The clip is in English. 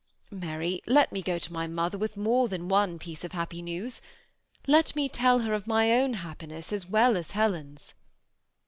Mary, let me go to my mother with more than one piece of happy news. Let me tell her of my own happiness as well as Helen's."